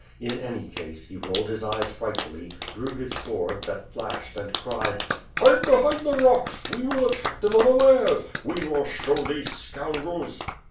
In any case, he rolled his eyes frightfully, drew his word, that flashed, and cried: "Hide behind the rocks! We will attack them unawares. We will show these scoundrels."